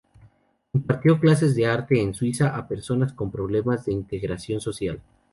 Impartió clases de arte en Suiza a personas con problemas de integración social.